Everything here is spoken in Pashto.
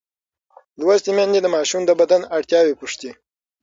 لوستې میندې د ماشوم د بدن اړتیاوې پوښتي.